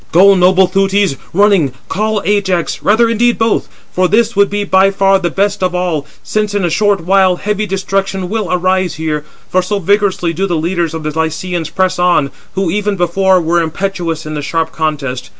"Go, noble Thoötes, running, call Ajax, rather indeed both: for this would be by far the best of all, since in a short while heavy destruction will arise here. For so vigorously do the leaders of the Lycians press on, who even before were impetuous in the sharp contest.